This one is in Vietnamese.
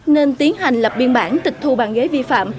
nên tiến hành lập biên bản tịch thu bàn ghế vi phạm